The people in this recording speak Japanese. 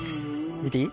見ていい？